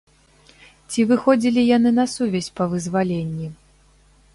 Ці выходзілі яны на сувязь па вызваленні?